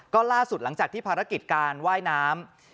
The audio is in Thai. ก็ล่าสุดหลังจากที่ภารกิจการว่ายน้ำ